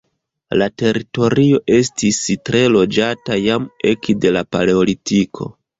La teritorio estis tre loĝata jam ekde la Paleolitiko.